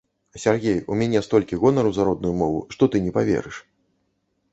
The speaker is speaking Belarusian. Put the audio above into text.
Сяргей, у мяне столькі гонару за родную мову, што ты не паверыш.